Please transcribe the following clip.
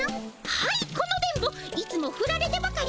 はいこの電ボいつもフラれてばかり。